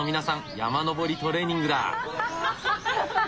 山登りトレーニングだ。